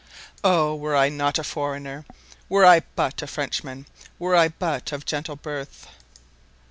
"Oh, were I not a foreigner! were I but a Frenchman! were I but of gentle birth!"